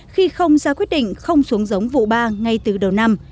khi không ra quyết định không xuống giống vụ ba ngay từ đầu năm